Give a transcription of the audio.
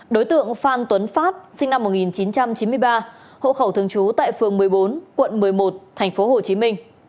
đối tượng phan tuấn phát sinh năm một nghìn chín trăm chín mươi ba hộ khẩu thường trú tại phường một mươi bốn quận một mươi một tp hcm